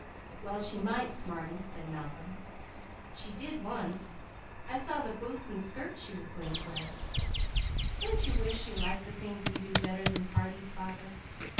"Well she might, smarty," said Malcolm. "She did once! I saw the boots and skirt she was going to wear. Don't you wish she liked the things we do better than parties, father?"